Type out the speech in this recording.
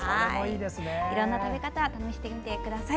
いろんな食べ方を試してみてください。